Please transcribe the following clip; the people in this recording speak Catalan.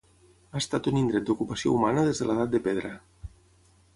Ha estat un indret d'ocupació humana des de l'Edat de Pedra.